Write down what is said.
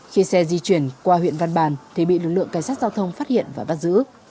khi xe di chuyển qua huyện văn bàn thì bị lực lượng cảnh sát giao thông phát hiện và bắt giữ